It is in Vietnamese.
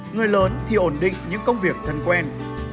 người lớn thì ổn định những công việc thân quen